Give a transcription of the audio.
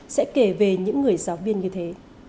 sẽ kể về những người giáo viên như thế